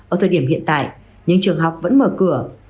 ở thời điểm hiện tại những trường học vẫn mở cửa